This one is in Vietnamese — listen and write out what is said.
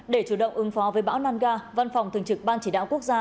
để chủ động ứng phó với bão nangar văn phòng thường trực ban chỉ đạo quốc gia